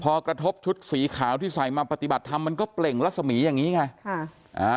พอกระทบชุดสีขาวที่ใส่มาปฏิบัติธรรมมันก็เปล่งรัศมีอย่างนี้ไงค่ะอ่า